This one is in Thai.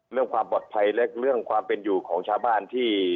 เรื่องความปลอดภัยและเรื่องความเป็นอยู่ของชาวบ้านที่